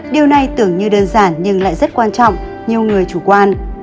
điều này tưởng như đơn giản nhưng lại rất quan trọng nhiều người chủ quan